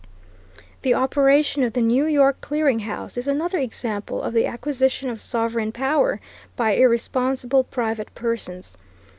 The operation of the New York Clearing House is another example of the acquisition of sovereign power by irresponsible private persons.